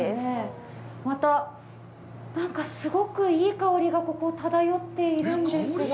また、何かすごくいい香りが、ここ、漂っているんですが。